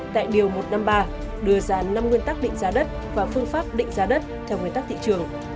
tại điều một trăm năm mươi ba đưa ra năm nguyên tắc định giá đất và phương pháp định giá đất theo nguyên tắc thị trường